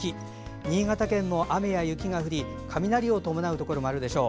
新潟県も雨や雪が降り雷を伴うところもあるでしょう。